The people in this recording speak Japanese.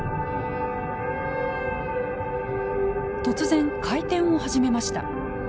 突然回転を始めました。